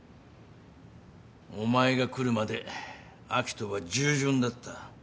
お前が来るまで明人は従順だった。